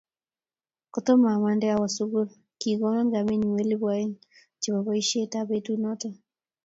Kotomo amande awo sukul, kikono kamenyu elpu aeng' chebo boishet ab betut noto